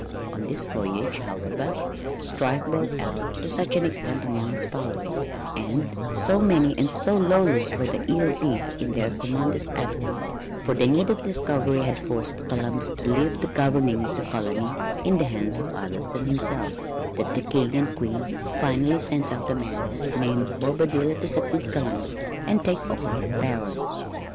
On this voyage, however, strife broke out to such an extent among his followers and so many and so lawless were their ill deeds in their commander's absence for the need of further discovery had forced Columbus to leave the governing of the colony in the hands of others than himself that the King and Queen finally sent out a man named Bobadilla to succeed Columbus and take over his powers.